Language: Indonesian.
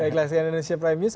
daiklah saya indonesia prime news